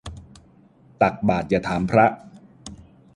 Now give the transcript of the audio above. ตักบาตรอย่าถามพระ